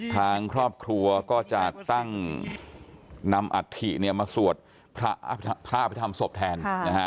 ทางครอบครัวก็จะตั้งนำอัฐิมาสวดพระอภิษฐรรมศพแทน